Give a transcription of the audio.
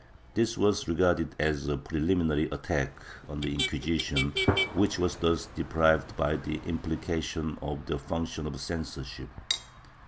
This was regarded as a preliminary attack on the Inquisition, which was thus deprived by implication of the function of censorship.